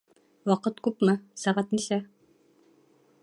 Ваҡыт күпме? Сәғәт нисә?